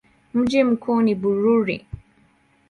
Mji mkuu ni Bururi.